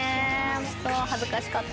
ホント恥ずかしかった。